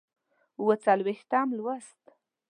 اووه څلوېښتم لوست